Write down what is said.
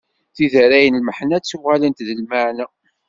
Tiderray n lmeḥna ttuɣalent d lmeɛna.